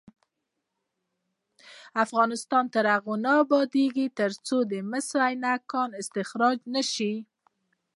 افغانستان تر هغو نه ابادیږي، ترڅو د مس عینک کان استخراج نشي.